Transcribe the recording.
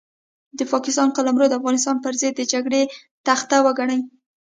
د پاکستان قلمرو د افغانستان پرضد د جګړې تخته وګڼي.